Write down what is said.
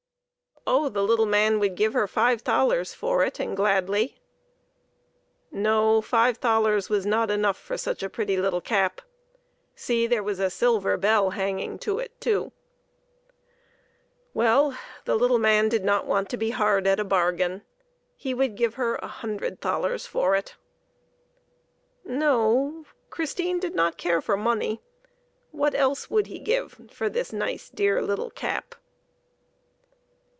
Oh, the little man would give her five thalers for it, and gladly. No; five thalers was not enough for such a pretty little cap see, there was a silver bell hanging to it too. THE APPLE OF CONTENTMENT. 109 Well, the little man did not want to be hard at a bargain ; he would give her a hun dred thalers for it. No ; Christine did not care for money. What else would he give for this nice, dear little cap